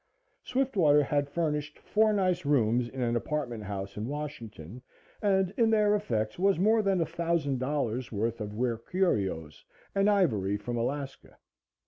Swiftwater had furnished four nice rooms in an apartment house at Washington, and in their effects was more than $1,000 worth of rare curios and ivory from Alaska.